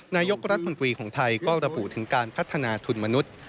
นายกรัฐมนตรีของไทยก็ระบุถึงการพัฒนาทุนมนุษย์